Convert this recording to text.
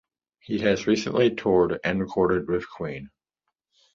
He has recently toured and recorded with Queen.